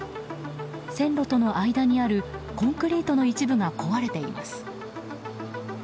線路との間にあるコンクリートの一部が壊れています。